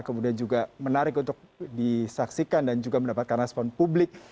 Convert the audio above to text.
kemudian juga menarik untuk disaksikan dan juga mendapatkan respon publik